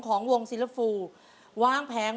ต้องถูกเท่านั้นหลวง